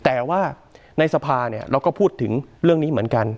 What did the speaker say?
แต่ว่าในสภาเราก็พูดถึงเรื่องนี้เหมือนกัน